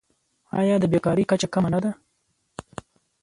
آیا د بیکارۍ کچه کمه نه ده؟